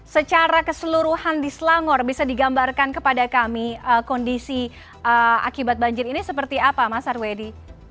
secara keseluruhan di selangor bisa digambarkan kepada kami kondisi akibat banjir ini seperti apa mas arwedi